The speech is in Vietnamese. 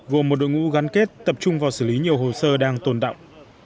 gồm một đội ngũ gắn kết tập trung vào xử lý nhiều hồ sơ đang tồn đọng